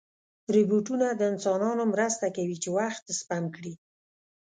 روبوټونه د انسانانو مرسته کوي چې وخت سپم کړي.